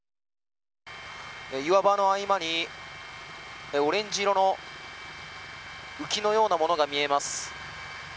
岩場の合間にオレンジ色の浮きのようなものが見えます。